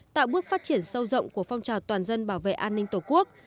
tạo bước phát triển sâu rộng của phong trào toàn dân bảo vệ an ninh tổ quốc